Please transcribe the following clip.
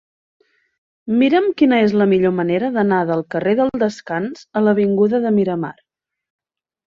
Mira'm quina és la millor manera d'anar del carrer del Descans a l'avinguda de Miramar.